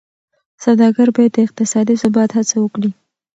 سوداګر باید د اقتصادي ثبات هڅه وکړي.